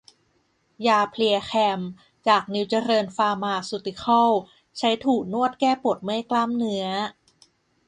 ยาเพลียแคม จากนิวเจริญฟาร์มาซูติคอล ใช้ถูนวดแก้ปวดเมื่อยกล้ามเนื้อ